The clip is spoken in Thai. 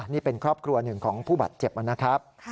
นี่เป็นครอบครัวหนึ่งของผู้บาดเจ็บนะครับ